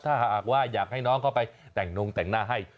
ถ้าหากว่าอยากให้น้องเข้าไปแต่งนงแต่งหน้าให้